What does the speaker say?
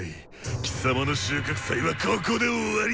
貴様の収穫祭はここで終わりだ！